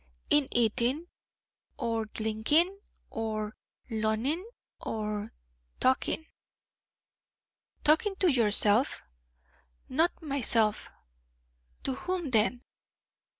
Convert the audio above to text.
'In eating, or dlinking, or lunning, or talking.' 'Talking to your_self_?' 'Not myself.' 'To whom, then?'